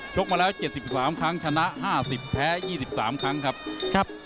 กมาแล้ว๗๓ครั้งชนะ๕๐แพ้๒๓ครั้งครับ